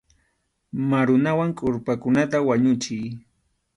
Marunawan kʼurpakunata wañuchiy.